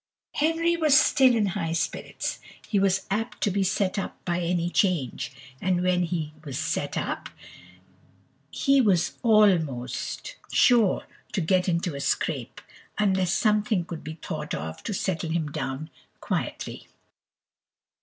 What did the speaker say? Henry was still in very high spirits; he was apt to be set up by any change, and when he was set up, he was almost sure to get into a scrape, unless something could be thought of to settle him down quietly.